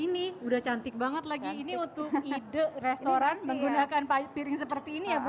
ini udah cantik banget lagi ini untuk ide restoran menggunakan piring seperti ini ya bu